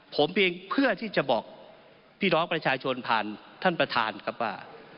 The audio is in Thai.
ผมเพียงเพื่อที่จะบอกพี่น้องประชาชนผ่านท่านประธานครับว่า